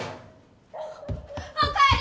お帰り